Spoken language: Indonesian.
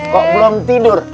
kok belum tidur